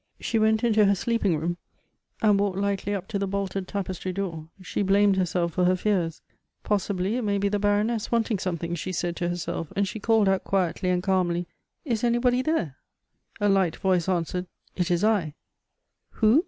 She went into her sleeping room, and walked lightly up to the bolted tapestry door She blamed herself for her fears. " Possibly it may be the Baroness wanting some thing," she said to herself; and she called out quietly and calmly, " Is anybody there?" A light voice answered, " It is I." " Who